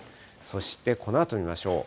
そしてこのあと見ましょう。